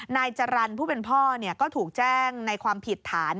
นายจรรย์ผู้เป็นพ่อก็ถูกแจ้งในความผิดฐาน